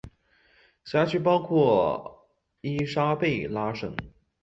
辖区包括伊莎贝拉省。